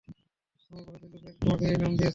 আমার বসতির লোকেরা তোমাকে এই নাম দিয়েছে।